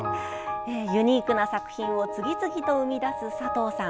ユニークな作品を次々と生み出す佐藤さん。